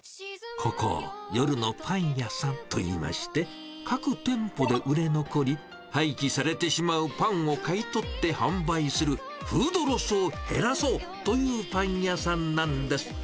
ここ、夜のパン屋さんといいまして、各店舗で売れ残り、廃棄されてしまうパンを買い取って販売する、フードロスを減らそうというパン屋さんなんです。